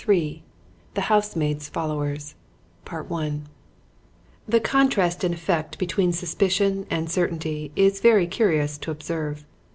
III THE HOUSEMAID'S FOLLOWERS The contrast in effect between suspicion and certainty is very curious to observe.